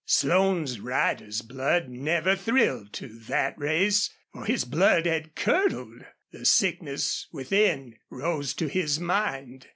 Slone's rider's blood never thrilled to that race, for his blood had curdled. The sickness within rose to his mind.